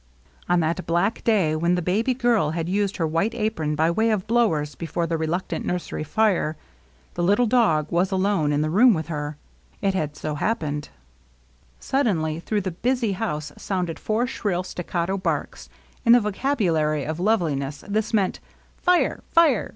On that black day when the baby girl had used her white apron by way of blowers before the reluctant nursery fire, the little dog was alone in the room with her. It had so happened. J V ^' 10 LOVELINESS. Suddenly, through the busy house resounded four shrill, staccato barks. In the vocabulary of Loveliness this meant, " Fire ! Fire